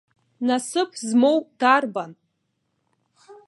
Насыԥ змоу дарбан.